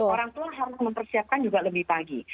orang tua harus mempersiapkan juga lebih pagi